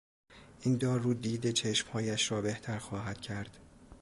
این دارو دید چشمهایش را بهتر خواهد کرد.